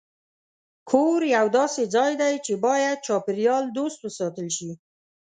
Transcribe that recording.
کور یو داسې ځای دی چې باید چاپېریال دوست وساتل شي.